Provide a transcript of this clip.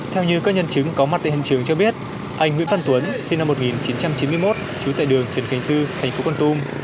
theo như các nhân chứng có mặt tại hiện trường cho biết anh nguyễn văn tuấn sinh năm một nghìn chín trăm chín mươi một trú tại đường trần khánh dư thành phố con tum